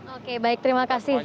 oke baik terima kasih